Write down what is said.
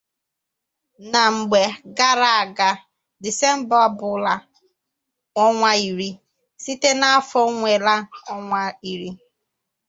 Na mgbe gara-aga, Disemba bula onwa iri, site na afo nwela onwa iri.